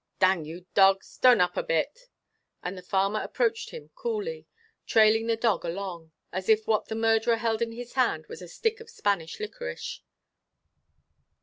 Dang you dog. Ston up a bit." And the farmer approached him coolly, trailing the dog along; as if what the murderer held in his hand was a stick of Spanish liquorice.